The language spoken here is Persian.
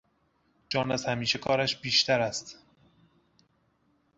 جان از همیشه کارش بیشتر است.